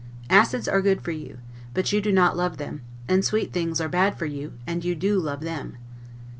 Acids are good for you, but you do not love them; and sweet things are bad for you, and you do love them.